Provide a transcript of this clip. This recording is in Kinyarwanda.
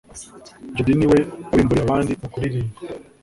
Jody ni we wabimburiye abandi mu kuririmba